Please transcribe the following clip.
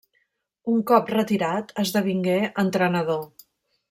Un cop retirat esdevingué entrenador.